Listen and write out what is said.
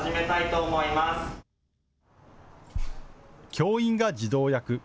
教員が児童役。